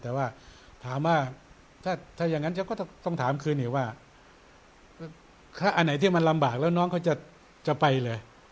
แต่ว่าถามว่าถ้าอย่างนั้นฉันก็ต้องถามคืนอีกว่าถ้าอันไหนที่มันลำบากแล้วน้องเขาจะไปเลย